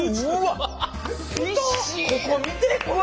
ここ見てこれ。